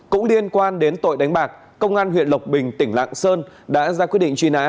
cũng liên quan đến tội đánh bạc công an huyện lộc bình tỉnh lạng sơn đã ra quyết định truy nã